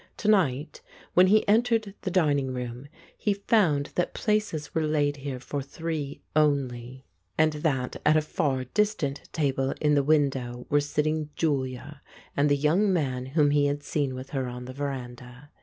To night, when he entered the dining room, he found that places were laid here for three only, and that at a far distant table in the window were sitting Julia and the young man whom he had seen with her on the veranda.